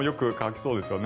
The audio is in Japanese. そうですね。